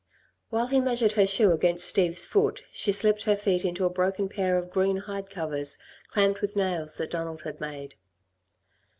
While he measured her shoe against Steve's foot, she slipped her feet into a broken pair of green hide covers clamped with nails that Donald had made.